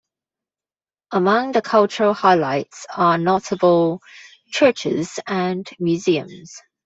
Among the cultural highlights are notable churches and museums.